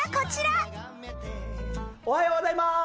おはようございまーす！